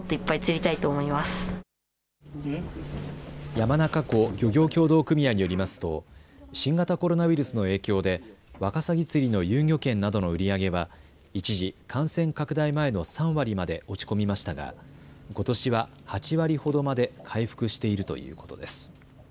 山中湖漁業協同組合によりますと新型コロナウイルスの影響でわかさぎ釣りの遊漁券などの売り上げは一時、感染拡大前の３割まで落ち込みましたがことしは８割ほどまで回復しているということです。